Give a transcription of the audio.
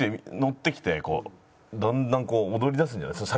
ッてきてこうだんだんこう踊りだすんじゃないですか？